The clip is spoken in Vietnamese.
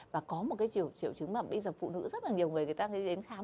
và có một triệu chứng mà bây giờ phụ nữ rất nhiều người người ta đi đến khám